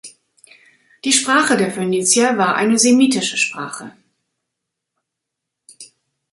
Die Sprache der Phönizier war eine semitische Sprache.